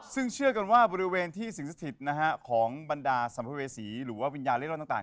ซึ่งเชื่อกันว่าบริเวณที่สิงสถิตของบรรดาสัมภเวษีหรือว่าวิญญาณเล่นร่อนต่าง